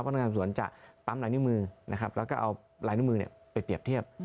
พนักงานสับสนจะปั๊มรายหน้ามือแล้วก็เอารายหน้ามือไปเปรียบเทียบ